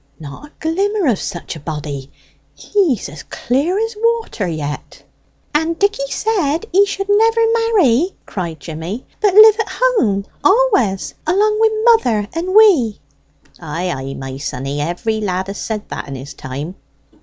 "Not a glimmer of such a body. He's as clear as water yet." "And Dicky said he should never marry," cried Jimmy, "but live at home always along wi' mother and we!" "Ay, ay, my sonny; every lad has said that in his time."